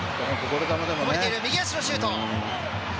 こぼれている、右足のシュート。